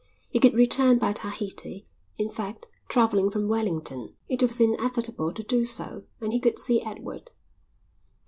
He could return by Tahiti; in fact, travelling from Wellington, it was inevitable to do so; and he could see Edward.